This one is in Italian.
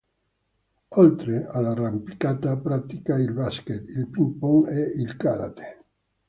Oltre all'arrampicata pratica il basket, il ping pong e il karate.